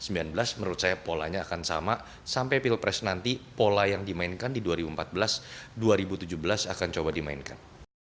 menurut saya polanya akan sama sampai pilpres nanti pola yang dimainkan di dua ribu empat belas dua ribu tujuh belas akan coba dimainkan